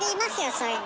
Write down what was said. そういうの。